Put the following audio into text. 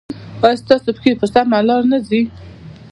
ایا ستاسو پښې په سمه لار نه ځي؟